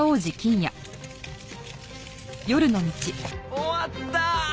終わったー！